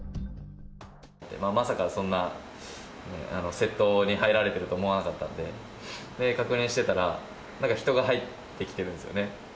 まさかそんな窃盗に入られてると思わなかったので、確認してたら、なんか人が入ってきてるんですよね。